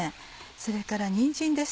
それからにんじんです。